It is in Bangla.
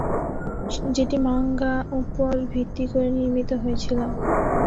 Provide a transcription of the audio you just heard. যেটি মাঙ্গা উপর ভিত্তি করে নির্মিত হয়েছিল।